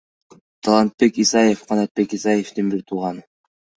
Талантбек Исаев — Канатбек Исаевдин бир тууганы.